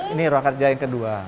ini ruang kerja yang kedua